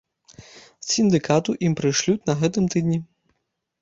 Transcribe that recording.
З сіндыкату ім прышлюць на гэтым тыдні.